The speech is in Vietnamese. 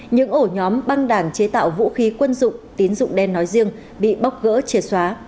những ổ nhóm băng đảng chế tạo vũ khí quân dụng tín dụng đen nói riêng bị bóc gỡ triệt xóa